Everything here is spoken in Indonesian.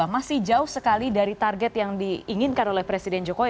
masih jauh sekali dari target yang diinginkan oleh presiden jokowi